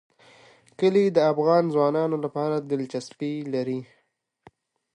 کلي د افغان ځوانانو لپاره دلچسپي لري.